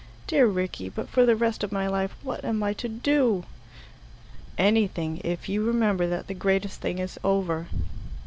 "Dear Rickie but for the rest of my life what am I to do?" "Anything if you remember that the greatest thing is over."